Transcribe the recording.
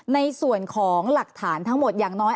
ในส่วนของหลักฐานทั้งหมดอย่างน้อย